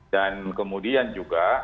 dan kemudian juga